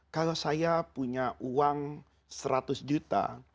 kalau saya punya uang seratus juta